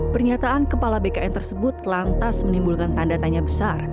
pernyataan kepala bkn tersebut lantas menimbulkan tanda tanya besar